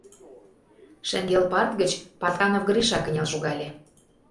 Шеҥгел парт гыч Патканов Гриша кынел шогале: